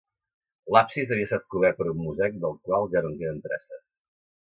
L'absis havia estat cobert per un mosaic del qual ja no en queden traces.